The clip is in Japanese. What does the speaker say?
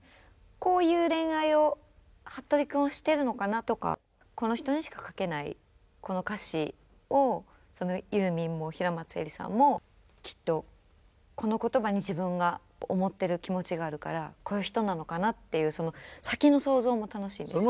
こういう恋愛をはっとり君はしてるのかなとかこの人にしか書けないこの歌詞をユーミンも平松愛理さんもきっとこの言葉に自分が思ってる気持ちがあるからこういう人なのかなっていうその先の想像も楽しいですよね。